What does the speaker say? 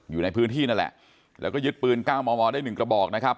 อยู่ในพื้นที่นั่นแหละแล้วก็ยึดปืน๙มมได้หนึ่งกระบอกนะครับ